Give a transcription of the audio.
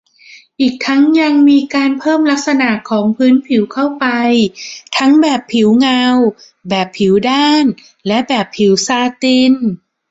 อีกทั้งยังมีการเพิ่มลักษณะของพื้นผิวเข้าไป ทั้งแบบผิวเงา แบบผิวด้าน และแบบผิวซาติน